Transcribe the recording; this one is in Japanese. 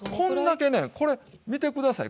これ見て下さい。